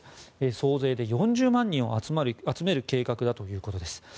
総勢で４０万人を集める計画だということです。